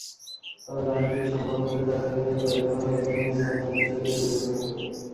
তবে বাণিজ্যিক সম্ভাব্যতা যাচাই করে প্রয়োজন হলে অ্যাডমিন স্থাপনের বিষয়টিও বিবেচনা করবে।